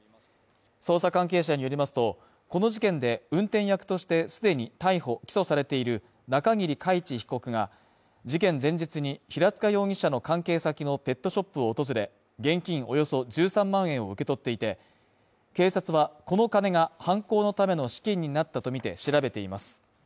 捜査関係者によりますと、この事件で運転役として既に逮捕起訴されている中桐海知被告が、事件前日に平塚容疑者の関係先のペットショップを訪れ、現金およそ１３万円を受け取っていて、警察は、この金が犯行のための資金になったとみて調べています。